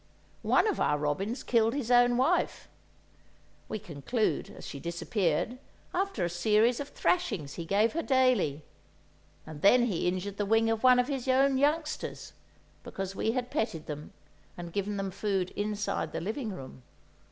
One of our robins killed his own wife (we conclude, as she disappeared, after a series of thrashings he gave her daily!), and then he injured the wing of one of his own youngsters, because we had petted them, and given them food inside the living room.